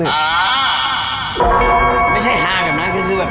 ไม่ใช่หาแบบนั้นคือแบบ